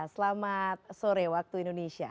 selamat sore waktu indonesia